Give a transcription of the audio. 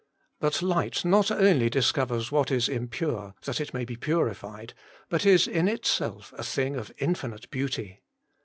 But Light not only discovers what is impure, that it may be purified, but is in itself a thing of infinite beauty.